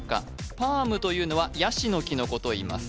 パームというのはヤシの木のことをいいます